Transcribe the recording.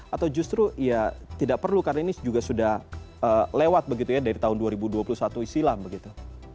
atau justru ya tidak perlu karena ini juga sudah lewat begitu ya dari tahun dua ribu dua puluh satu silam begitu